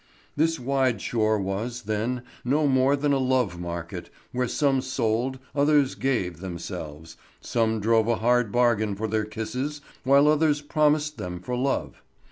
This wide shore was, then, no more than a love market where some sold, others gave themselves—some drove a hard bargain for their kisses while others promised them for love.